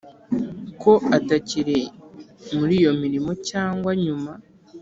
Ko atakiri muri iyo mirimo cyangwa nyuma